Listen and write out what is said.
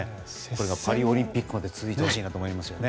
パリオリンピックまで続いてほしいなと思いますね。